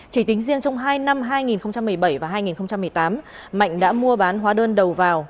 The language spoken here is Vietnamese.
chỉ tính riêng trong hai năm hai nghìn một mươi bảy và hai nghìn một mươi tám mạnh đã mua bán hóa đơn đầu vào